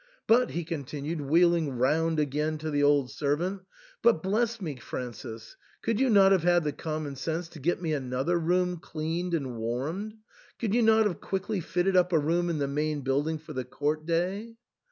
" But," he continued, wheeling round again to the old servant, " but, bless me, Francis, could you not have had the common sense to get me another room cleaned and warmed ? Could you not have quickly fitted up a room in the main building for the court day